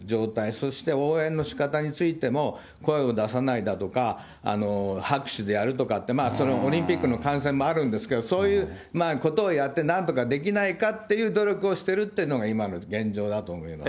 そして応援のしかたについても、声を出さないだとか、拍手でやるとかっていう、オリンピックの観戦もあるんですけれども、そういうことをやって、なんとかできないかっていう努力をしているっていうのが、今の現状だと思います。